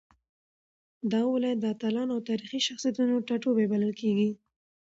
دا ولايت د اتلانو او تاريخي شخصيتونو ټاټوبی بلل کېږي.